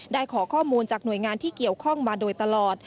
ขอข้อมูลจากหน่วยงานที่เกี่ยวข้องมาโดยตลอด